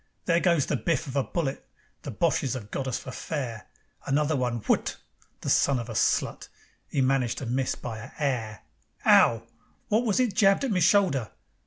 There goes the biff of a bullet. The Boches have got us for fair. Another one WHUT! The son of a slut! 'E managed to miss by a 'air. 'Ow! Wot was it jabbed at me shoulder?